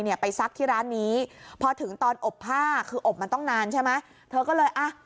ไปซักที่ร้านนี้พอถึงตอนอบผ้าคืออบมันต้องนานใช่ไหมเธอก็เลยอ่ะ